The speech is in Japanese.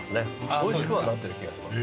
おいしくはなってる気がします。